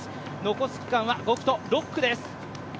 残す区間は５区と６区です。